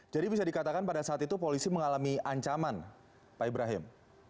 jadi bisa dikatakan pada saat itu polisi mengalami ancaman pak ibrahim